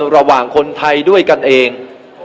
ระหว่างคนไทยด้วยกันเอง